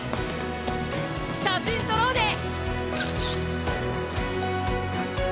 写真撮ろうで！